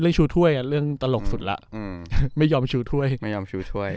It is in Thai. เรื่องชูถ้วยอ่ะเรื่องตลกสุดล่ะอืมไม่ยอมชูถ้วยไม่ยอมชูถ้วย